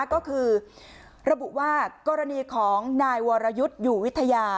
ก็คือระบุว่ากรณีของนายวรยุทธ์อยู่วิทยา